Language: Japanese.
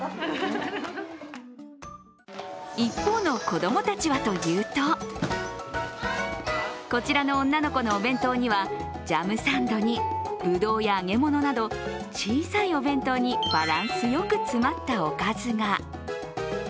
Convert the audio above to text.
一方の子供たちはというとこちらの女の子のお弁当にはジャムサンドにぶどうや揚げ物など、小さいお弁当にバランスよく詰まったおかずが。